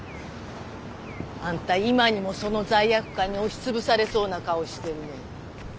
あんた今にもその罪悪感に押し潰されそうな顔してるねえ。